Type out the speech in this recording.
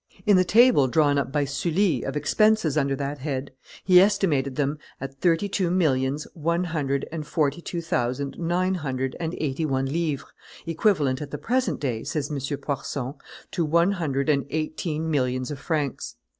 In the table drawn up by Sully of expenses under that head, he estimated them at thirty two millions, one hundred and forty two thousand, nine hundred and eighty one livres, equivalent at the present day, says M. Poirson, to one hundred and eighteen millions of francs.